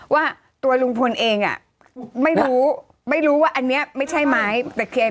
ว่าตัวลุงพลเองอ่ะไม่รู้ไม่รู้ว่าอันนี้ไม่ใช่ไม้ตะเคียน